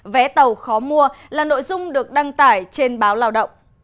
vé tàu khó mua là nội dung được đăng tải trên báo lao động